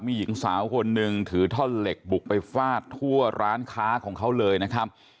มีหญิงสาวคนหนึ่งถือท่อนเหล็กบุกไปฟาดทั่วร้านค้าของเขาเลยนะครับ